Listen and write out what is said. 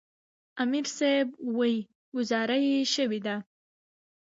امیر صېب وې " ګذاره ئې شوې ده ـ